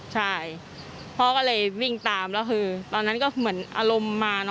ใช่พ่อก็เลยวิ่งตามแล้วคือตอนนั้นก็เหมือนอารมณ์มา